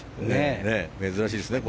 珍しいですね。